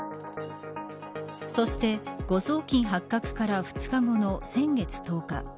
そして誤送金発覚から２日後の先月１０日。